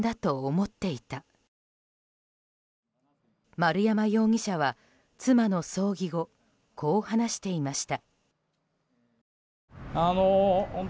丸山容疑者は、妻の葬儀後こう話していました。